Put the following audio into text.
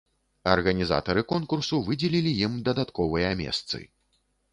Арганізатары конкурсу выдзелілі ім дадатковыя месцы.